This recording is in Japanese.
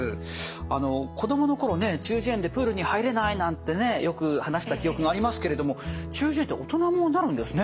あの子供の頃ね「中耳炎でプールに入れない」なんてねよく話した記憶がありますけれども中耳炎って大人もなるんですね。